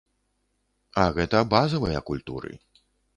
А гэта базавыя культуры.